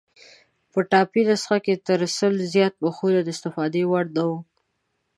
په ټایپي نسخه کې تر سل زیات مخونه د استفادې وړ نه وو.